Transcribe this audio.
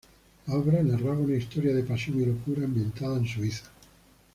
La obra narraba una historia de pasión y locura ambientada en Suiza.